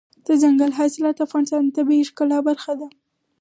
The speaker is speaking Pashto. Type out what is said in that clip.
دځنګل حاصلات د افغانستان د طبیعت د ښکلا برخه ده.